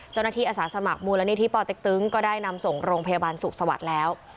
เจ้าหน้าที่อาสาสมัครมูลณีที่ป่อเต็กตึ๊งก็ได้นำส่งโรงพยาบาลสุขสวัสดิ์แล้ว